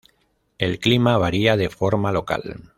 El clima varía de forma local.